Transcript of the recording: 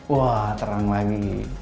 wah terang lagi